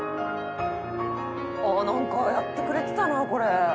「なんかやってくれてたなこれ」